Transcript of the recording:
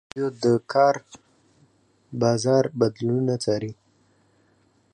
ازادي راډیو د د کار بازار بدلونونه څارلي.